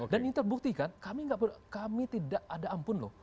dan ini terbukti kan kami tidak ada ampun loh